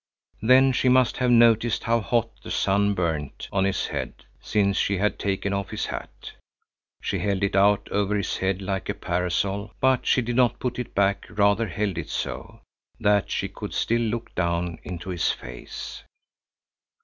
Then she must have noticed how hot the sun burned on his head, since she had taken off his hat. She held it out over his head like a parasol, but she did not put it back, rather held it so, that she could still look down into his face.